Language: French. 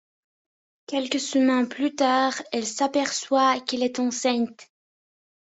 Quelques semaines plus tard, elle s'aperçoit qu'elle est enceinte.